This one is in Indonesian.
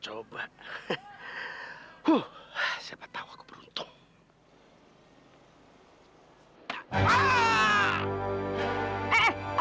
aduh kenapa harus ketemu